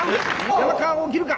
山川起きるか？